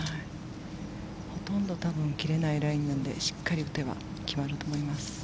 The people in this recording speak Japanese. ほとんど多分切れないラインなのでしっかり打てば決まると思います。